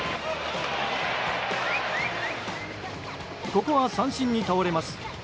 ここは三振に倒れます。